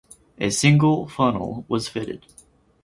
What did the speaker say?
A single funnel was fitted.